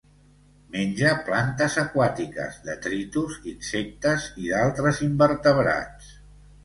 Menja plantes aquàtiques, detritus, insectes i d'altres invertebrats.